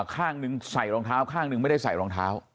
ข้างหนึ่งใส่รองเท้าข้างหนึ่งไม่ได้ใส่รองเท้า